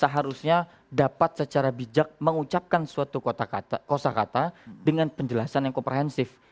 seharusnya kita harus bisa secara bijak mengucapkan suatu kosa kata dengan penjelasan yang komprehensif